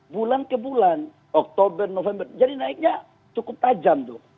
bulan ke bulan oktober november jadi naiknya cukup tajam tuh